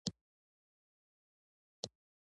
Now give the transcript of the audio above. ځکه چې موږ به د ګرمۍ له امله کالي ایسته کړي وي.